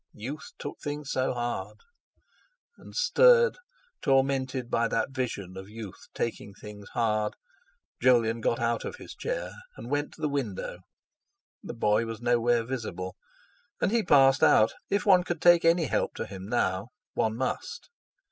Youth took things so hard! And stirred, tormented by that vision of Youth taking things hard, Jolyon got out of his chair, and went to the window. The boy was nowhere visible. And he passed out. If one could take any help to him now—one must!